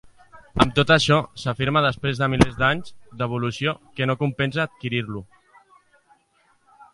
Amb tot això, s’afirma després de milers d’any d’evolució, que no compensa adquirir-lo.